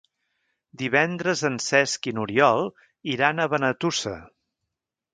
Divendres en Cesc i n'Oriol iran a Benetússer.